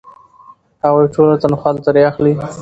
هغوی ټوله تنخوا ترې اخلي.